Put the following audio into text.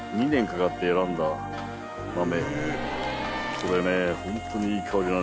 これね。